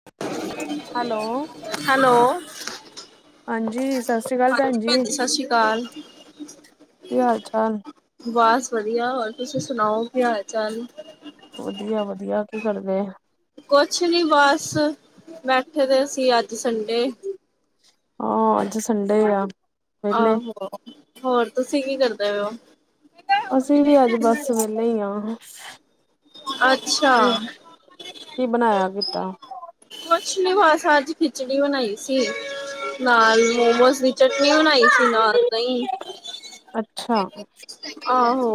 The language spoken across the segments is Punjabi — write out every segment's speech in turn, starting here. [unintelligible] ਹੈਲੋ ਹੈਲੋ ਹਾਂਜੀ ਸਤਿ ਸ੍ਰੀ ਅਕਾਲ ਹਾਂਜੀ ਭੈਣ ਜੀ ਸਤਿ ਸ਼੍ਰੀ ਅਕਾਲ। ਕੀ ਹਾਲ ਚਾਲ ਬਸ ਵਧੀਆ ਹੋਰ ਤੁਸੀਂ ਸੁਣਾਓ ਕੀ ਹਾਲ ਚਾਲ ਵਧੀਆ-ਵਧੀਆ ਕੀ ਕਰਦੇ। ਕੁਛ ਨੀ ਬਸ ਬੈਠੇ ਦੇ ਸੀ ਅੱਜ ਸੰਡੇ ਹਾਂ ਅੱਜ ਸੰਡੇ ਆ। ਵਿਹਲੇ ਆਹੋ ਹੋਰ ਤੁਸੀਂ ਕੀ ਕਰਦੇ ਹੋ। ਅਸੀਂ ਵੀ ਅੱਜ ਬੱਸ ਵੇਲੇ ਹੀ ਆਂ। ਅੱਛਾ, ਕੀ-ਕੀ ਬਣਾਇਆ ਕੀਤਾ। ਕੁਛ ਨਈ ਬਸ ਅੱਜ ਖਿਚੜੀ ਬਣਾਈ। ਸੀ ਨਾਲ ਮੋਮੋਜ਼ ਦੀ ਚਟਨੀ ਬਣਾਈ ਸੀ ਨਾਲ ਦਹੀ ਅੱਛਾ ਆਹੋ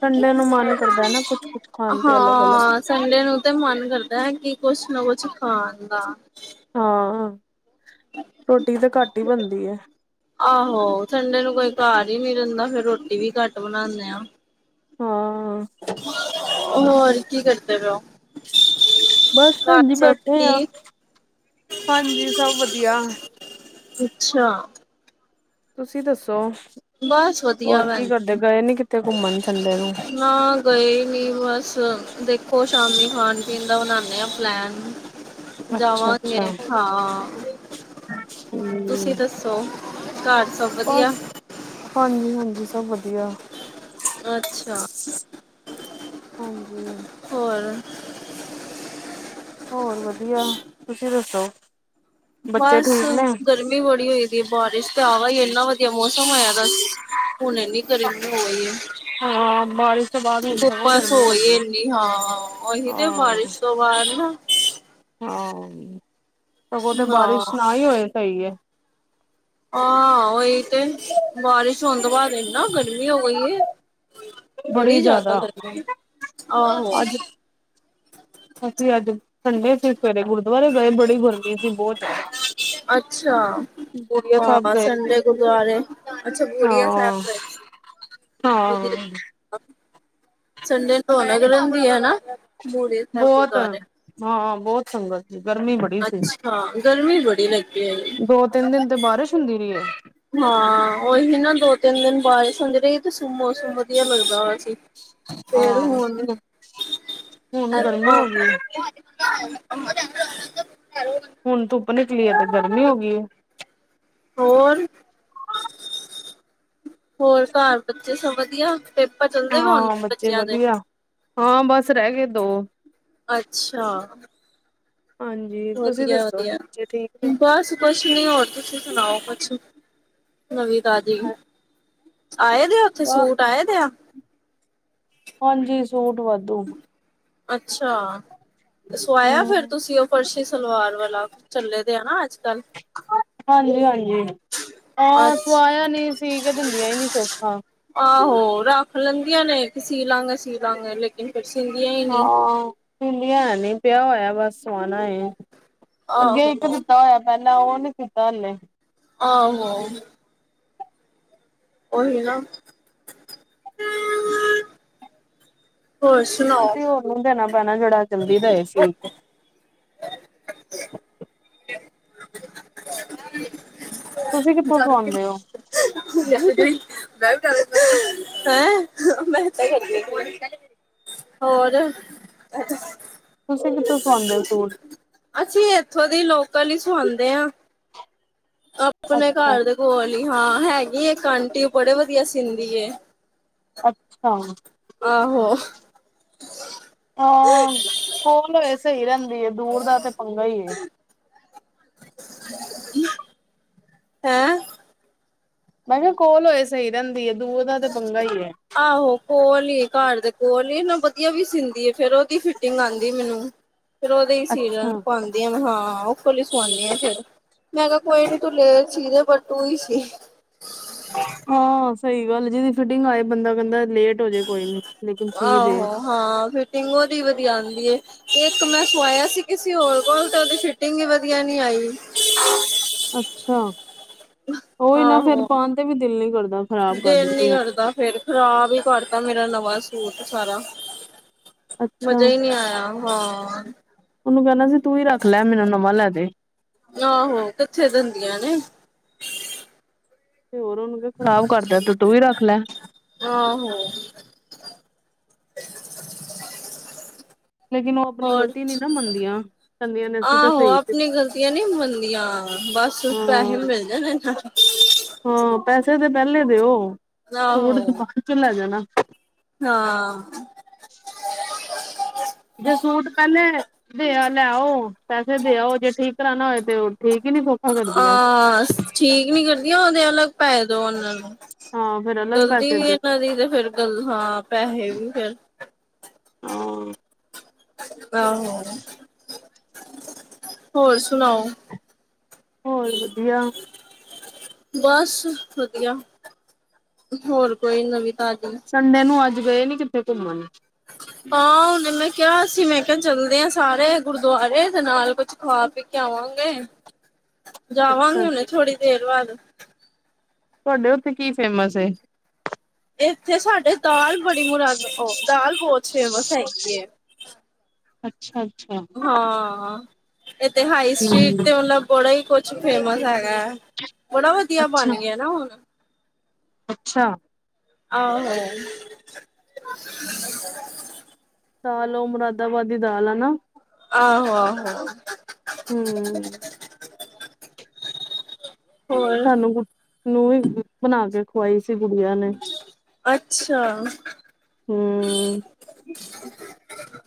ਠੰਡੇ ਨੂੰ ਮਨ ਕਰਦਾ ਹੈ ਨਾ ਕੁਛ-ਕੁਛ ਖਾਣ ਤੇ ਅਲੱਗ-ਅਲੱਗ ਹਾਂ, ਸੰਡੇ ਨੂੰ ਤੇ ਮਨ ਕਰਦਾ ਹੈ ਕਿ ਕੁਛ ਨਾ ਕੁਛ ਖਾਣ ਦਾ ਹਾਂ ਰੋਟੀ ਤਾਂ ਘੱਟ ਹੀ ਬਣਦੀ ਏ। ਆਹੋ ਸੰਡੇ ਨੂੰ ਕੋਈ ਘਰ ਹੀ ਨੀ ਰੈਂਦਾ ਫੇਰ ਰੋਟੀ ਵੀ ਘੱਟ ਬਣਾਣੇ ਆਂ। ਹਾਂ ਹੋਰ ਕੀ ਕਰਦੇ ਪਏ ਓ। ਬਸ ਭੈਣ ਜੀ ਬੈਠੇ ਆਂ ਠੀਕ ਹਾਂਜੀ ਸਭ ਵਧੀਆ। ਅੱਛਾ ਤੁਸੀ ਦੱਸੋ। ਬਸ ਵਧੀਆ ਹੋਰ ਕੀ ਕਰਦੇ ਭੈਣਜੀ ਗਏ ਨੀ ਕਿਤੇ ਘੁੰਮਣ ਸੰਡੇ ਨੂੰ ਨਾ ਗਏ ਨੀ ਬਸ ਦੇਖੋ ਸ਼ਾਮੀ ਖਾਣ ਪੀਣ ਦਾ ਬਨਾਣੇ ਪਲੈਨ ਅੱਛਾ ਜਾਵਾਂਗੇ ਅੱਛਾ ਹਾਂ ਹਮ ਤੁਸੀਂ ਦੱਸੋ। ਘਰ ਸਭ ਵਧੀਆ। ਹਾਂਜੀ-ਹਾਂਜੀ ਸਭ ਵਧੀਆ। ਅੱਛਾ ਹਾਂਜੀ ਹੋਰ ਹੋਰ ਵਧੀਆ ਤੁਸੀ ਦੱਸੋ। ਬੱਚੇ ਬਸ ਠੀਕ ਨੇ? ਗਰਮੀ ਬੜੀ ਹੋਈ। ਐਂ ਬਾਰਿਸ਼ ਤੇ ਆ ਗਈ ਇੰਨਾ ਵਧੀਆ ਮੌਸਮ ਹੋਇਆ ਦਾ ਸੀ ਹੁਣ ਇਨੀ ਗਰਮੀ ਹੋਈ ਏ। ਹਾਂ ਬਾਰਿਸ਼ ਤੋਂ ਬਾਅਦ ਹੁਣ ਸਗੋਂ ਹੁਮਸ ਗਰਮੀ ਹੋ ਹੋਈ ਗਈ। ਇਨੀ ਹਾਂ ਓਹੀ ਤੇ ਹਾਂ ਬਾਰਿਸ਼ ਤੋਂ ਬਾਅਦ ਨ ਹਾਂ ਸਗੋਂ ਤੇ ਹਾਂ ਬਾਰਿਸ਼ ਨਾ ਹੀ ਹੋਏ ਸਹੀ ਏ। ਹਾਂ ਓਹੀ ਤੇ ਬਾਰਿਸ਼ ਹੋਣ ਤੋਂ ਬਾਦ ਇਨਾ ਗਰਮੀ ਹੋ ਗਈ ਏ। ਬੜੀ ਜਾਦਾ ਗਰਮੀ ਏ ਆਹੋ। ਅੱਜ ਅਸੀਂ ਅੱਜ ਸੰਡੇ ਸੀ ਸਵੇਰੇ ਗੁਰਦੁਆਰੇ ਗਏ ਬੜੀ ਗਰਮੀ ਸੀ ਬਹੁਤ ਜਾਦਾ ਅੱਛਾ ਸਾਹਿਬ ਹਾਂ ਗਏ ਸੀ ਸੰਡੇ ਗੁਰਦੁਆਰੇ ਅੱਛਾ ਬੁੜੀਆ ਸਾਹਿਬ ਹਾਂ ਗਏ ਸੀ। ਹਾਂ। ਅੱਛਾ ਸੰਡੇ ਨੂੰ ਰੌਣਕ ਰੈਂਦੀ ਆ ਨਾ। ਬੂੜੀਆ ਸਾਹਿਬ ਬੋਤ ਗੁਰਦੁਆਰੇ ਹਾਂ ਬੋਤ ਸੰਗਤ ਗਰਮੀ ਬੜੀ ਸੀ। ਹਾਂ ਗਰਮੀ ਬੜੀ ਲੱਗੀ ਐ। ਦੋ ਤਿੰਨ ਦਿਨ ਤੇ ਬਾਰਿਸ਼ ਹੁੰਦੀ ਰਈ ਏ। ਹਾਂ ਉਹੀ ਤੇ ਨਾ ਦੋ ਤਿੰਨ ਦਿਨ ਬਾਰਿਸ਼ ਹੁੰਦੀ ਰਈ ਹੈ ਤੇ ਸਗੋ ਮੌਸਮ ਵਧੀਆ ਲੱਗਦਾ ਹੋਇਆ ਸੀ। ਫਿਰ ਹਾਂ ਹੁਣ ਹੁਣ ਗਰਮੀ ਏਦਾ ਹੋ ਗਈ ਹੁੰਦਾ [inaudible] ਹੁਣ ਧੁੱਪ ਨਿਕਲੀ ਆ ਤੇ ਗਰਮੀ ਹੋ ਗਈ ਏ। ਹੋਰ ਹੋਰ ਘਾਰ ਬੱਚੇ ਸਭ ਵਧੀਆ। ਪੇਪਰ ਚੱਲਦੇ ਹੁਣ, ਹਾਂ ਬੱਚੇ ਬੱਚਿਆਂ ਦੇ। ਵਧੀਆ ਹਾਂ ਬਸ ਰਹਿ ਗਏ ਦੋ ਅੱਛਾ। ਹਾਂਜੀ। ਤੁਸੀਂ ਵਧੀਆ ਦੱਸੋ ਵਧੀਆ ਬੱਚੇ ਠੀਕ ਨੇ। ਬਸ ਕੁਛ ਨੀ ਹੋਰ, ਤੁਸੀਂ ਸੁਣਾਓ ਕੁਛ ਨਵੀਂ ਤਾਜੀ। ਆਏ ਦੇ ਆ ਉੱਥੇ ਸੂਟ ਆਏ ਦੇ ਆ। ਹਾਂਜੀ। ਸੂਟ ਵਾਧੂ ਅੱਛਾ, ਸਵਾਇਆ ਫਿਰ। ਹਮ ਤੁਸੀਂ ਉਹ ਫਰਸ਼ੀ ਸਲਵਾਰ ਵਾਲਾ। ਚੱਲੇ ਦੇ ਆ ਨਾ ਅੱਜ ਕੱਲ। ਹਾਂਜੀ ਹਾਂਜੀ। ਹਾਂ ਅੱਛ ਸੁਵਾਇਆ ਨਹੀਂ ਸੀਕੇ ਦਿੰਦੀਆਂ ਹੀ ਨੀ ਸੋਖਾ। ਆਹੋ ਰੱਖ ਲੈਂਦੀਆਂ ਨੇ, ਸੀਦਾਂਗੇ ਸੀਦਾਂਗੇ ਲੇ? ਫਿਰ ਸੀਂਦੀਆਂ ਹੀ ਨਈ। ਹਾਂ। ਸੀਂਦਿਆਂ ਹੈ ਨਈ। ਪਿਆ ਹੋਇਆ ਬਸ ਸੋਵਾਣਾ ਏ। ਅੱਗੇ ਆਹੋ ਇੱਕ ਦਿੱਤਾ ਹੋਇਆ। ਪਹਿਲਾਂ ਉਹ ਨੀ ਦੀਤਾ ਹਾਲੇ। ਆਹੋ। ਉਹੀ ਨਾ। ਹੋਰ ਸੁਣਾਓ। ਕਿਸੇ ਹੋਰ ਨੂੰ ਦੇਣਾ ਪੈਣਾ ਜਿਹੜਾ ਚਲਦੀ ਦਾਏ ਸੀ। [unintelligible] ਤੁਸੀਂ ਕਿੱਥੋਂ ਸਲਵੈਂਦੇ ਹੋ? ਮਜ [unintelligible] ਹੈਂ ਮੈਂ ਕੀ। ਹੋਰ। ਤੁਸੀਂ ਕਿੱਥੋਂ ਸੂਆਂਦੇ ਹੋ ਸੂਟ? ਅਸੀਂ ਇੱਥੋਂ ਦੀ ਲੋਕਲ ਹੀ ਸੁਵਾਂਦੇ ਆਂ। ਆਪਨੇ ਅੱਛਾ ਘਰ ਦੇ ਕੋਲ ਹੀ, ਹਾਂ ਹੈਗੀ ਏਕ ਆਂਟੀ ਓ ਬੜੇ ਵਧੀਆਂ ਸੀੰਦੀ ਏ। ਅੱਛਾ, ਹੂਨ ਆਹੋ। [inaudible] ਕੋਲ -ਕੋਲ ਹੋਏ ਸਹੀ ਰਹਿੰਦੀ ਐ, ਦੂਰ ਦਾ ਤੇ ਪੰਗਾ ਹੀ ਏ। [unintelligible] ਹੈਂ? ਮੈਂ ਕੇਹਾ ਕੋਲ ਹੋਏ ਸਹੀ ਰਹਿੰਦੀ ਐ, ਦੂਰ ਦਾ ਤੇ ਪੰਗਾ ਈ ਏ। ਆਹੋ ਕੋਲ ਹੀ ਏ ਘਰ ਦੇ ਕੋਲ ਈ ਏ ਨਾਲ ਵਧੀਆਂ ਵੀ ਸੀਂਦੀ ਐ, ਫੇਰ ਓਹਦੀ ਫਿਟਿੰਗ ਆਂਦੀ ਮੈਨੂੰ। [inaudible] ਫੇਰ ਉਹਦੀ ਹੀ ਅੱਛਾ [unintelligible] ਤੇ ਹਾਂ ਓਹਦੇ ਕੋਲੀ ਸਵਾਂਨੀ ਆ ਫੇਰ, ਮੈਂ ਕਿਹਾ ਕੋਈ ਨੀ ਤੂੰ ਲੇਟ ਸੀਦੇ ਬਸ ਤੂੰ ਹੀ ਸੀ। ਹਾਂ ਸਹੀ ਗੱਲ ਏ, ਜਿਹਦੀ ਫਿਟਿੰਗ ਆਏ ਬੰਦਾ ਕੈਂਦਾ ਲੇਟ ਹੋ ਜਾਏ ਕੋਈ ਨੀ। ਲੇਕਿਨ ਸੀ ਦੇ ਆਹੋ ਹਾਂ ਫਿਟਿੰਗ ਓਹਦੀ ਵਧੀਆਂ ਆਂਦੀ ਏ। ਏਕ ਮੈਂ ਸਵਾਇਆ ਸੀ ਕਿਸੀ ਹੋਰ ਕੋਲ, ਤੇ ਉਹਦੀ ਫਿਟਿੰਗ ਹੀ ਵਧੀਆਂ ਨੀ ਆਈ। ਅੱਛਾ ਓਹੀ ਨਾ ਫੇਰ ਆਹੋ ਪਾਨ ਤੇ ਵੀ ਦਿਲ ਨੀ ਕਰਦਾ। ਖ਼ਰਾਬ ਕਰ ਦਿਲ ਨੀ ਦਿੰਦੀਆਂ ਕਰਦਾ ਫੇਰ, ਖ਼ਰਾਬ ਹੀ ਕਰਤਾ ਮੇਰਾ ਨਵਾਂ ਸੂਟ ਸਾਰਾ। ਅੱਛਾ ਮਜ਼ਾ ਈ ਨਈ ਆਇਆ, ਹਾਂ। ਓਹਨੂੰ ਕਹਿਨਾ ਸੀ ਤੂੰ ਹੀ ਰੱਖ ਲੈ, ਮੈਨੂੰ ਨਵਾਂ ਲੈ ਦੇ। ਆਹੋ, ਕਿੱਥੇ ਦਿੰਦੀਆਂ ਨੇ। ਤੇ ਹੋਰ ਉਹਨੂੰ ਕਹਿ, ਖਰਾਬ ਕਰਤਾ ਤੇ ਤੂੰ ਈ ਰੱਖ ਲੈ। ਆਹੋ। ਲੇਕਿਨ ਉਹ ਆਪਣੀ ਹੋਰ ਗ਼ਲਤੀ ਨੀ ਨਾ ਮੰਨਦੀਆਂ ਕਹਿੰਦੀਆਂ ਨੇ [inaudible] ਅਸੀਂ ਤਾਂ ਆਹੋ, ਸਹੀ ਸੀ। ਆਪਨੀ ਗ਼ਲਤੀਆਂ ਨਈ ਮੰਨਦੀਆਂ ਬਸ ਹਾਂ ਸਿਰਫ ਪੈਹੇ ਮਿਲ ਜਾਣੇ [unintelligible] ਹਾਂ ਪੈਸੇ ਤੇ ਪਹਿਲੇ ਦੇਓ, ਸੂਟ ਤੇ ਆਹੋ ਬਾਦ ਚੌ ਲੈ ਜਾਣਾ। ਹਾਂ। ਜੇ ਸੂਟ ਪਹਿਲੇ ਦੇਆ ਲੈਓ ਪੈਸੇ ਦੇ ਆਓ ਜੇ ਠੀਕ ਕਰਾਨਾ ਹੋਏ ਤੇ ਓਹ ਠੀਕ ਹੀ ਨੀ ਫੁ ਆ ਠੀਕ ਨੀ ਕਰਦੀਆਂ ਉਹਦੇ ਅਲੱਗ ਪੈਹੇ ਦੋ ਓਹਨਾਂ ਨੂੰ। ਹਾਂ ਫੇਰ ਅਲੱਗ ਗਲਤੀ ਪੈਸੇ ਵੀ ਦਿਓ ਏਹਨਾਂ ਦੀ ਤੇ ਫੇਰ ਗਲ ਹਾਂ ਪੈਹੇ ਵੀ ਫੇਰ। ਹਾਂ ਆਹੋ, ਹੋਰ ਸੁਣਾਓ? ਹੋਰ ਵਧੀਆਂ। ਬਸ ਵਧੀਆ। ਹੋਰ ਕੋਈ ਨਵੀਂ ਤਾਜੀ। ਸੰਡੇ ਨੂੰ ਅੱਜ ਗਏ ਨੀ ਕਿੱਥੇ ਘੁੰਮਨ। ਹਾਂ ਹੁਣੇ ਮੈਂ ਕੇਹਾ ਸੀ ਮੈਂ ਕਿਹਾ ਚੱਲਦੇ ਆ ਸਾਰੇ ਗੁਰਦੁਆਰੇ ਤੇ ਨਾਲ ਕੁਛ ਖਾ-ਪੀ ਕੇ ਆਵਾਂਗੇ। [inaudible] ਜਾਵਾਂਗੇ ਤੁਹਾਡੇ ਹੁਣੇ ਥੋੜ੍ਹੀ ਦੇਰ ਬਾਦ। ਤੁਹਾਡੇ ਉੱਥੇ ਕੀ ਫੇਮਸ ਏ? ਏਥੇ ਸਾਡੇ ਦਾਲ ਬੜੀ ਮੁਰਾਗ ਓ ਦਾਲ ਬਹੁਤ ਫੇਮਸ ਹੈਗੀ ਏ। ਅੱਛਾ-ਅੱਛਾ। ਹਾਂ ਇੱਥੇ ਹਾਈ ਸਟ੍ਰਰੀਟ ਹਮ ਤੇ ਮਤਬ ਬੜਾ ਹੀ ਕੁਛ ਫੇਮਸ ਹੈਗਾ। ਬੜਾ ਵਧੀਆਂ ਅੱਛਾ ਬਨ ਗਯਾ ਨਾ ਉਹ। ਅੱਛਾ। ਆਹੋ। ਦਾਲ ਓਹ ਮੁਰਾਦਾਬਾਦੀ ਦਾਲ ਹੈ ਨਾ। ਆਹੋ-ਆਹੋ। ਹੂੰ ਹੋਰ ਸਾਨੂੰ ਗੁ [unintelligible] ਵੀ ਬਣਾ ਕੇ ਖਵਾਈ ਸੀ ਗੁੜੀਆ ਨੇ। ਅੱਛਾ ਹੂੰ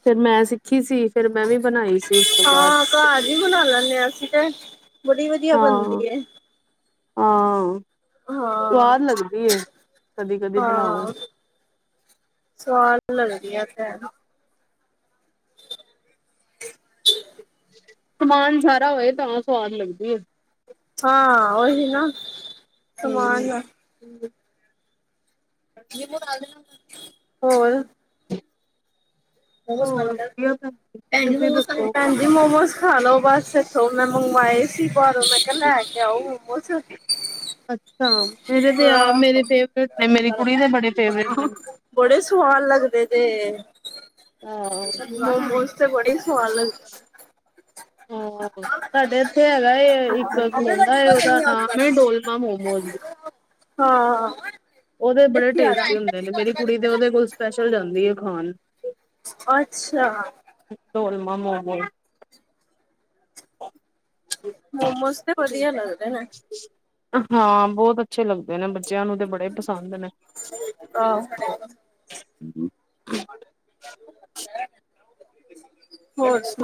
ਫਿਰ ਮੈਂ ਸਿੱਖੀ ਸੀ ਫਿਰ ਮੈਂ ਵੀ ਬਣਾਈ ਸੀ ਉਸ ਤੋਂ ਬਾਦ। ਹਾਂ ਘਰ ਹੀ ਬਣਾ ਲੈਂਦੇ ਹਾਂ ਅਸੀਂ ਤੇ ਬੜੀ ਵਧੀਆ ਬਣਦੀ ਏ। ਹਾਂ ਹਾਂ ਸਵਾਦ ਲੱਗਦੀ ਏ ਕਦੀ-ਕਦੀ ਬਣਾਓ। ਸਵਾਲ ਲੱਗਦੀ ਆ ਭੈਣ। ਸਮਾਨ ਸਾਰਾ ਹੋਏ ਤਾਂ ਸਵਾਦ ਲੱਗਦੀ ਏ। ਹਾਂ ਓਹੀ ਨਾ ਹਮ। ਸਮਾਨ ਹੋਰ ਬਹੁਤ ਸਾਲ ਹੋ ਹੋਰ ਗਏ, ਵਧੀਆ ਭੈਣ ਭੈਣ ਜੀ ਤੁਸੀਂ ਬਹੁਤ ਦੱਸੋ? ਸਾਲ [unintelligible] ਮੋਮੋਸ ਖਾ ਲਓ ਬਸ ਇਥੋਂ ਮੈਂ ਮੰਗਵਾਏ ਸੀ ਬਾਰੋਂ ਮੈਂ ਕਿਹਾ ਲੈ ਕੇ ਆਓ ਮੋਮੋਸ। ਅੱਛਾ, ਮੇਰੇ ਤੇ ਆਪ ਆਹੋ ਮੇਰੇ ਫੇਵਰੇਟ ਨੇ ਮੇਰੀ ਕੁੜੀ ਦੇ ਬੜੇ ਫੇਵਰੇਟ ਨੇ। ਬੜੇ ਸਵਾਦ ਲੱਗਦੇ ਜੇ। ਹਾਂ ਮੋਮੋਸ ਤੇ ਬੜੇ ਈ ਸਵਾਦ ਲੱਗ ਹਾਂ, ਸਾਡੇ ਇੱਥੇ ਹੈਗਾ ਏ ਇੱਕ ਖਲੋਂਦਾ ਏ ਆਪਣੇ ਉਹਦਾ ਨਾਮ ਏ ਗੱਡੀ ਡੋਲ ਮਾ - ਮੋਮੋਜ਼। ਹਾ ਓਦੇ ਬੜੇ ਟੇਸਟੀ ਹੁੰਦੇ ਨੇ, ਮੇਰੀ ਕੁੜੀ ਤੇ ਓਦੇ ਕੋਲ ਸਪੈਸ਼ਲ ਜਾਂਦੀ ਏ ਖਾਨ। ਅੱਛਾ! ਡੋਲਮਾ ਮੋਮੋਸ। ਮੋਮੋਜ਼ ਤੇ ਵਧੀਆ ਲੱਗਦੇ ਨੇ। ਹਾਂ ਬਹੁਤ ਅੱਛੇ ਲੱਗਦੇ ਨੇ, ਬੱਚਿਆਂ ਨੂੰ ਤੇ ਬੜੇ ਪਸੰਦ ਨੇ। ਆਹੋ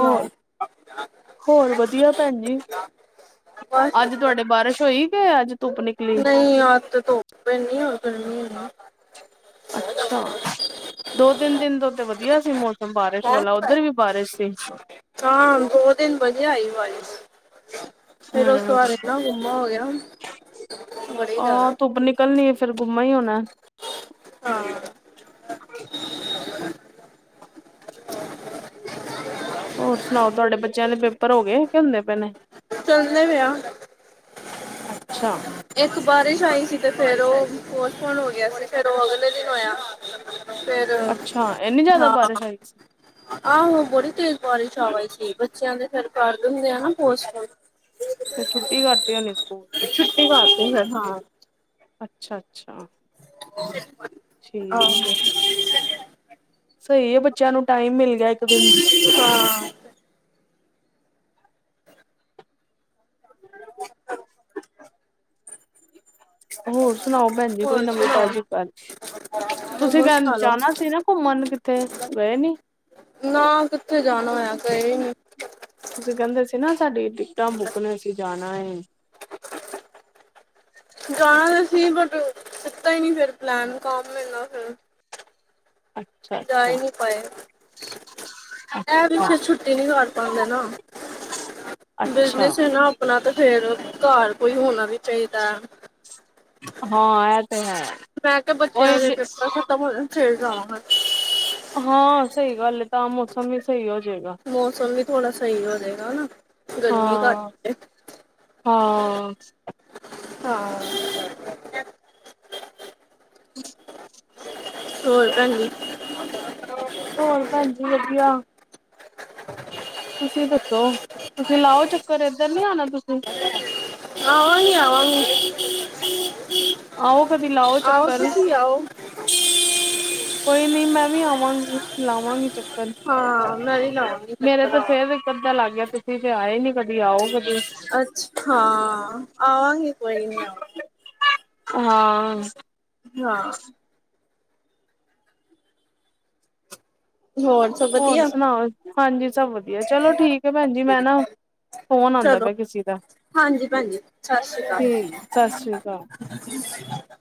ਹੋਰ, ਹੋਰ ਵਧੀਆ ਭੈਨ ਜੀ। ਬਸ ਅੱਜ ਵਧੀਆ। ਤੁਹਾਡੇ ਬਾਰਿਸ਼ ਹੋਈ ਕੇ ਅੱਜ? ਧੁੱਪ ਨਿਕਲੀ? ਨਹੀਂ ਅੱਜ ਤੇ ਧੁੱਪ ਏਨੀ ਆ, ਗਰਮੀ ਆ। ਅੱਛਾ। ਦੋ-ਤਿੰਨ ਦਿਨ ਤੋਂ ਤੇ ਵਧੀਆ ਸੀ ਮੌਸਮ ਬਾਰਿਸ਼ ਵਾਲਾ, ਹੈਂ? ਉੱਧਰ ਵੀ ਬਾਰਿਸ਼ ਸੀ। ਹਾਂ, ਦੋ ਦਿਨ ਵਧੀਆ ਆਈ ਬਾਰਿਸ਼। ਫਿਰ ਉਸ ਤੋਂ ਹਮ ਬਾਦ ਇਨਾ ਗੁੰਮਾ ਹੋ ਗਿਆ ਹੁਨ। ਆਹ, ਧੁੱਪ ਨਿਕਲਨੀ ਏ ਫਿਰ ਗੁੰਮਾ ਈ ਹੋਨੈ। ਹਾਂ- ਹੋਰ ਸੁਣਾਓ, ਤੁਹਾਡੇ ਬੱਚਿਆਂ ਦੇ ਪੇਪਰ ਹੋਗੇ ਕਿ ਹੁੰਦੇ ਪੇ ਨੇ? ਚਲਦੇ ਪੇ ਆਂ ਅੱਛਾ ਇੱਕ ਬਾਰਿਸ਼ ਆਈ ਸੀ ਤੇ ਫੇਰ ਉਹ ਪੋਸਟਪੋਨ ਹੋ ਗਿਆ ਸੀ। ਫੇਰ ਉਹ ਅਗਲੇ ਦਿਨ ਹੋਇਆ। ਫੇਰ, ਅੱਛਾ ਇੰਨੀ ਜ਼ਿਆਦਾ ਹਾਂ। ਬਾਰਿਸ਼ ਆਈ ਸੀ ਆਹੋ, ਬੜੀ ਤੇਜ਼ ਬਾਰਿਸ਼ ਆ ਗਈ ਸੀ। ਬੱਚਿਆਂ ਦੇ ਫਿਰ ਕਰ ਦੇਂਦੇ ਆ ਨਾ ਪੋਸਟਪੌਰਨ। ਤੇ ਛੁੱਟੀ ਕਰਤੀ ਹੋਣੀ ਸਕੂਲ ਦੀ? ਛੁੱਟੀ ਕਰਤੀ ਫਿਰ ਹਾਂ ਅੱਛਾ-ਅੱਛਾ। ਆ ਸਹੀ ਏ, ਬੱਚਿਆਂ ਨੂੰ ਟਾਈਮ ਮਿਲ ਗਿਆ ਇੱਕ ਦਿਨ। ਹਾਂ। ਹੋਰ ਸੁਣਾਓ ਭੈਣ ਜੀ, ਕੋਈ ਹੋਰ ਨਵੀਂ ਸੁਣਾਓ ਤਾਜ਼ੀ ਗੱਲ। ਤੁਸੀਂ ਮੋਮੋਸ ਕੈਨ ਖਾ ਲਓ ਜਾਣਾ ਸੀ ਨਾ ਘੁੰਮਣ ਕਿੱਥੇ, ਗਏ ਨੀ? ਨਾ ਕਿੱਥੇ ਜਾਣਾ ਹੋਇਆ, ਗਏ ਈ ਨੀ। ਤੁਸੀਂ ਕਹਿੰਦੇ ਸੀ ਨਾ ਸਾਡੀ ਟਿਕਟਾਂ ਬੁੱਕ ਨੇ, ਅਸੀਂ ਜਾਣਾ ਏ। ਜਾਣਾ ਤੇ ਸੀ ਬਟ ਕਿੱਤਾ ਹੀ ਨਹੀਂ ਫੇਰ ਪਲੈਨ, ਕੰਮ ਇੰਨਾ ਫਿਰ। ਅੱਛਾ ਜਾ ਹੀ ਅੱਛਾ ਨਹੀਂ ਪਾਏ ਇਹ ਵਿੱਚੇ ਛੁੱਟੀ ਨੀ ਕਰ ਪਾਉਂਦੇ ਨਾ, ਅੱਛਾ ਬਿਜਨਸ ਏ ਨਾ ਆਪਣਾ, ਤੇ ਫੇਰ ਘਰ ਕੋਈ ਹੋਣਾ ਵੀ ਚਾਹੀਦਾ। ਹਾਂ। ਤੇ ਹੈ ਮੈਂ ਕਿਹਾ ਬੱਚਿਆਂ ਦੇ ਪੇਪਰ ਖਤਮ ਹੋ ਜਾਣ ਫਿਰ ਜਾਵਾਂਗੇ ਹਾਂ ਸਹੀ ਗੱਲ ਤਾਂ, ਮੌਸਮ ਵੀ ਸਹੀ ਹੋ ਜਾਏਗਾ। ਮੌਸਮ ਵੀ ਥੋੜਾ ਸਹੀ ਹੋ ਜਾਏਗਾਾ, ਗਰਮੀ ਘੱਟ ਹਾਂ ਜੇ ਹਾਂ। ਹਾਂ। ਹੋਰ ਭੈਣ ਜੀ। ਹੋਰ ਭੈਣ ਜੀ, ਵਧੀਆ ਜ ਤੁਸੀਂ ਦੱਸੋ ਤੁਸੀਂ ਲਾਓ ਚੱਕਰ ਏਧਰ ਨਹੀਂ ਆਣਾ ਤੁਸੀਂ? ਆਵਾਂਗੀ-ਆਵਾਂਗੀ। [inaudible] [unintelligible] ਆਓ ਕਦੀ ਲਾਓ ਆਓ ਚੱਕਰ ਤੁਸੀਂ ਆਓ। ਕੋਈ ਨੀ ਮੈਂ ਵੀ ਆਵਾਂਗੀ ਲਾਵਾਂਗੀ ਚੱਕਰ ਹਾਂ ਮੈਂ ਵੀ ਲਾਵਾਂਗੀ ਮੇਰੇ ਚੱਕਰ ਤੇ ਆਵਾਂ ਫੇਰ ਚੱਕਰ ਲੱਗ ਗਿਆ ਤੁਸੀਂ ਤੇ ਆਏ ਨੀ ਕਦੀ ਆਓ ਕਦੀ। ਅੱਛ ਹਾਂ ਆਵਾਂਗੀ ਕੋਈ ਨੀ ਆਵਾਂਗੀ। ਹਾਂ। ਹਾਂ। ਹੋਰ ਸਭ ਹੋਰ ਵਧੀਆ ਸੁਣਾਓ ਹਾਂਜੀ ਸਭ ਵਧੀਆ ਚਲੋ ਠੀਕ ਐ ਪੈਣ ਜੀ ਮੈਂ ਨਾ ਫੋਨ ਆਉਂਦਾ ਚਲੋ ਪਿਆ ਕਿਸੇ ਦਾ ਹਾਂਜੀ ਪੈਣ ਜੀ ਸਾਸ ਸ੍ਰੀ ਠੀਕ ਸਤਿ ਸ੍ਰੀ ਕਾਲ। ਅਕਾਲ [inaudible]